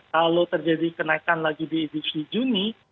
kalau terjadi kenaikan lagi di edisi juni